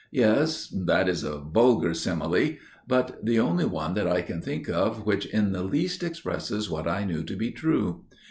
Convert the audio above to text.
Yes, that is a vulgar simile; but the only one that I can think of which in the least expresses what I knew to be true.